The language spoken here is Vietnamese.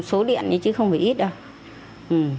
số điện chứ không phải ít đâu